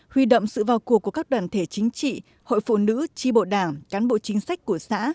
huy động sự vào cuộc của các đoàn thể chính trị hội phụ nữ tri bộ đảng cán bộ chính sách của xã